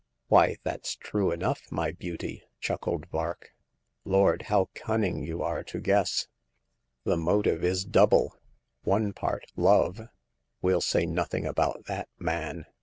'* Why, that's true enough, my beauty !" chuckled Vark. Lord, how cunning you are to guess ! The motive is double : one part love "" We'll say nothing about that, man